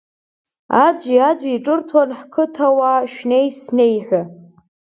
Аӡәи-аӡәи еиқәҿырҭуан ҳқыҭауаа шәнеи-снеи ҳәа.